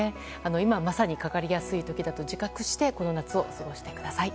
今まさにかかりやすい時だと自覚してこの夏を過ごしてください。